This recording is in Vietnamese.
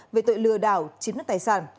về tội lừa đảo chiếm đoạt tài sản